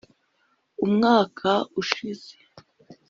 ‘umwaka ushize